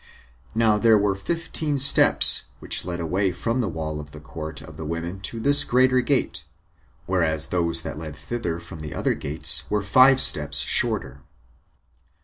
Now there were fifteen steps, which led away from the wall of the court of the women to this greater gate; whereas those that led thither from the other gates were five steps shorter.